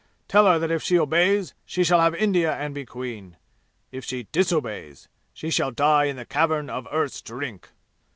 Tell her that if she obeys she shall have India and be queen. If she disobeys, she shall die in the Cavern of Earth's Drink!"